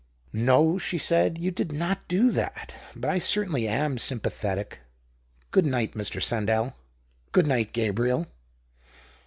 " No," she said, " you did not do that. But I certainly am sympathetic. Good night, Mr. Sandell ; good night, Gabriel."